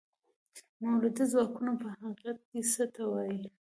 مؤلده ځواکونه په حقیقت کې څه ته وايي؟